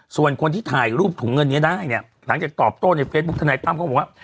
ส่วนคนที่ถ่ายรูปถุงเงินนี้ได้เนี่ยหลังจากตอบโต้ในเฟซบุ๊คทนายตั้มก็บอกว่า